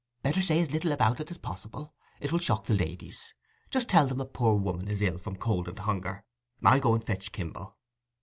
"Better say as little about it as possible: it will shock the ladies. Just tell them a poor woman is ill from cold and hunger. I'll go and fetch Kimble."